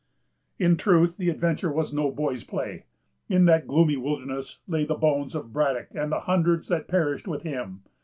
In truth, the adventure was no boy's play. In that gloomy wilderness lay the bones of Braddock and the hundreds that perished with him.